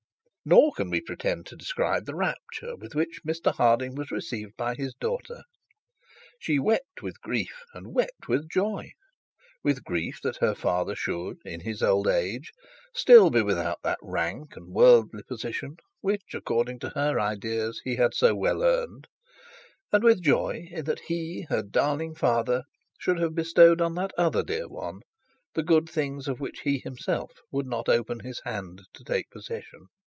Nor can we pretend to describe the rapture with which Mr Harding was received by his daughter. She wept with grief and with joy; with grief that her father should, in his old age, still be without that rank and worldly position, which, according to her ideas, he had so well earned; and with joy that he, her darling father, should have bestowed on that other dear one the good things of which he himself would not open his hand to take possession.